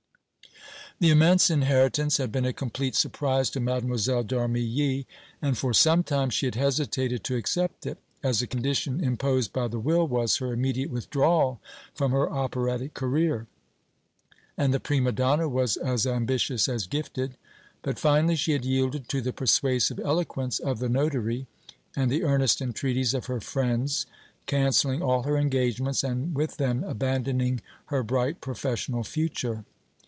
The immense inheritance had been a complete surprise to Mlle. d'Armilly, and for some time she had hesitated to accept it, as a condition imposed by the will was her immediate withdrawal from her operatic career, and the prima donna was as ambitious as gifted; but, finally, she had yielded to the persuasive eloquence of the notary and the earnest entreaties of her friends, canceling all her engagements, and with them abandoning her bright professional future.